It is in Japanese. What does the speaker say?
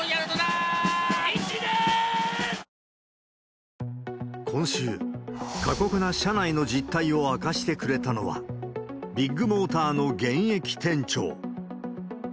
さらに、今週、過酷な社内の実態を明かしてくれたのは、ビッグモーターの現役店長。